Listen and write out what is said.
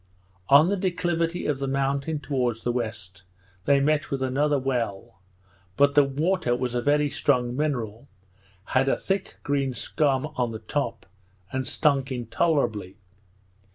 On the declivity of the mountain towards the west, they met with another well, but the water was a very strong mineral, had a thick green scum on the top, and stunk intolerably.